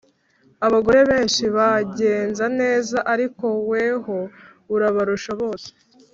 “abagore benshi bagenza neza, ariko weho urabarusha bose”